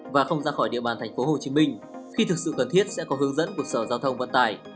và không ra khỏi địa bàn tp hcm khi thực sự cần thiết sẽ có hướng dẫn của sở giao thông vận tải